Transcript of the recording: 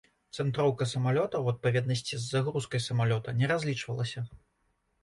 Цэнтроўка самалёта ў адпаведнасці з загрузкай самалёта не разлічвалася.